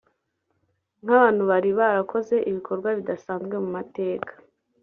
nk’abantu bari barakoze ibikorwa bidasanzwe mu mateka